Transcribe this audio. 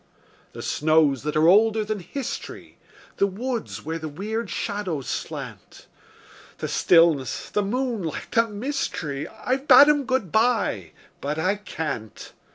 The snows that are older than history, The woods where the weird shadows slant; The stillness, the moonlight, the mystery, I've bade 'em good by but I can't.